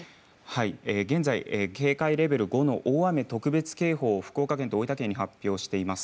現在、警戒レベル５の大雨特別警報、福岡県、大分県に発表しています。